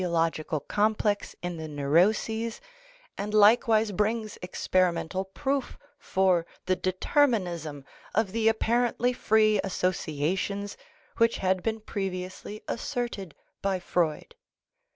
THE UNCONSCIOUS 57 tent of the etiological complex in the neuroses and likewise brings experimental proof for the determinism of the apparently free associations which had been previously asserted by Freud.